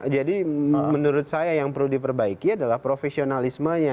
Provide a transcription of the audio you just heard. jadi menurut saya yang perlu diperbaiki adalah profesionalismenya